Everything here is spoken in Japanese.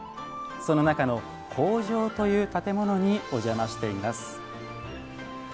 その中の方丈という建物にお邪魔しています。